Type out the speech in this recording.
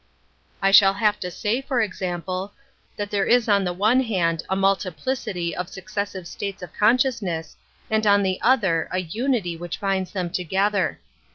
I shall have to say, for example, that there is on '\~ the one hand a multiplicity of successive / states of consciousness, and on the other a unity which binds them together.